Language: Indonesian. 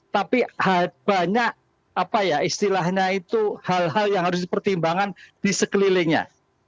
tapi banyak apa ya istilahnya itu hal hal yang harus dipertimbangkan di sekelilingnya